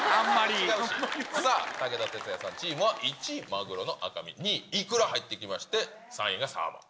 さあ、武田鉄矢さんチームの１位、マグロの赤身、２位、いくら入ってきまして、３位がサーモン。